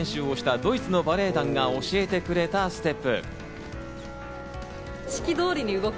合同練習をした、ドイツのバレエ団が教えてくれたステップ。